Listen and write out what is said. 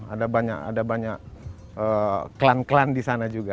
ada banyak klan klan di sana juga